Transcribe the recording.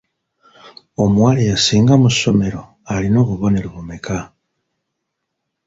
Omuwala eyasinga mu ssomero alina obubonero bumeka?